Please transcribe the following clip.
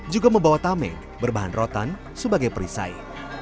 juga membawa tameng berbahan rotan sebagai perisai